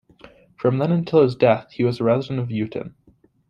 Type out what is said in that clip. From then until his death, he was a resident of Eutin.